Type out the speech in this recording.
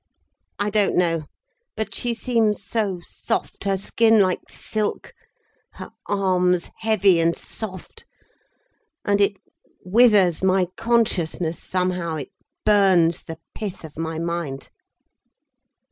I don't know—but she seems so soft, her skin like silk, her arms heavy and soft. And it withers my consciousness, somehow, it burns the pith of my mind."